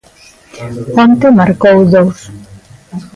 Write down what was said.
Onte marcou dous.